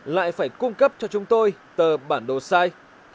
lại phải cung cấp cho chúng tôi tờ bản đồ sai